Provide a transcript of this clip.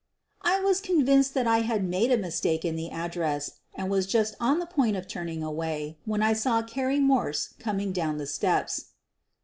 ' I was con vinced that I had made a mistake in the address and was just on the point of turning away when I saw Carrie Morse coming down the steps.